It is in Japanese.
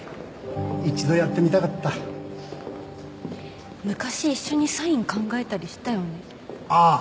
一度やってみたかった昔一緒にサイン考えたりしたよねああ